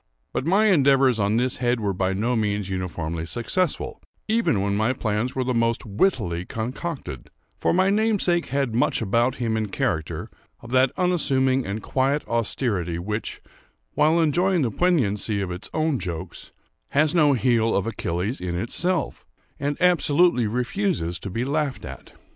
But my endeavours on this head were by no means uniformly successful, even when my plans were the most wittily concocted; for my namesake had much about him, in character, of that unassuming and quiet austerity which, while enjoying the poignancy of its own jokes, has no heel of Achilles in itself, and absolutely refuses to be laughed at.